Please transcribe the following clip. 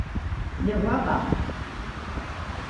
Leroy Bach